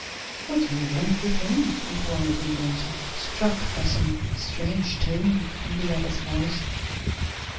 "What do you want with him?" inquired the inventor, struck by some strange tone in the other's voice.